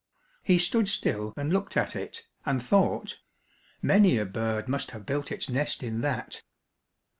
He stood still and looked at it, and thought, "Many a bird must have built its nest in that."